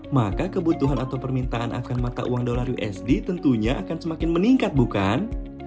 maka kebutuhan atau permintaan akan mata uang dolar usd tentunya akan semakin meningkat bukan